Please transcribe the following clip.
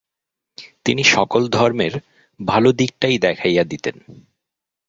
তিনি সকল ধর্মের ভাল দিকটাই দেখাইয়া দিতেন।